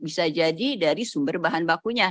bisa jadi dari sumber bahan bakunya